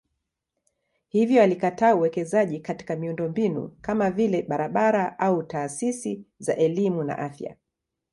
Hivyo alikataa uwekezaji katika miundombinu kama vile barabara au taasisi za elimu na afya.